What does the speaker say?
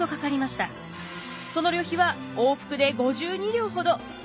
その旅費は往復で５２両ほど。